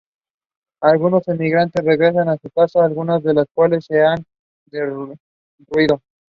Algunos emigrantes regresan a sus casas, algunas de las cuales se han derruido.